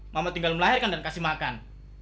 mama tinggal melahirkan dan kasih makan